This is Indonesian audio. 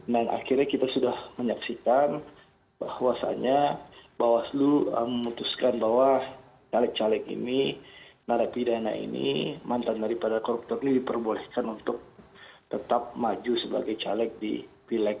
akhirnya kita sudah menyaksikan bahwasannya bawaslu memutuskan bahwa caleg caleg ini narapidana ini mantan daripada koruptor ini diperbolehkan untuk tetap maju sebagai caleg di pileg